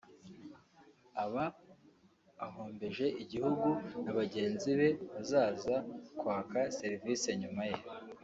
aba ahombeje igihugu na bagenzi be bazaza kwaka serivisi nyuma ye